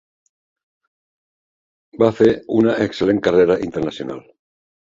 Va fer una excel·lent carrera internacional.